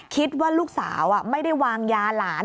คิดว่าลูกสาวไม่ได้วางยาหลาน